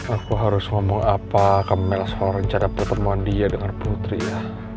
aku harus ngomong apa ke mel seorang rencana pertemuan dia dengan putri ya